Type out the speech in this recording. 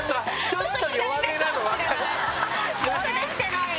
ちょっとできてない。